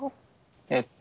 えっと